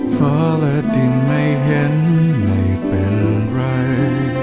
ฟ้าและดินไม่เห็นไม่เป็นไร